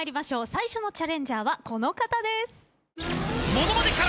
最初のチャレンジャーはこの方です。